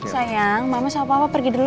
sayang mama sama papa pergi dulu